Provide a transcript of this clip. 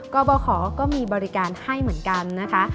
ก็บขก็มีบริการให้เหมือนกันนะคะ